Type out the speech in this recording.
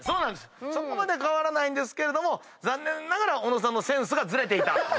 そこまで変わらないんですけど残念ながら尾野さんのセンスがずれていた。